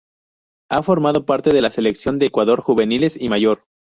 Ha formado parte de la Selección de Ecuador juveniles y mayor.